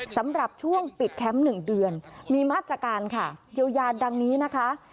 สำหรับช่วงปิดแคมป์๑เดือนมีมาตรการค่ะเยียวยาดังนี้นะคะ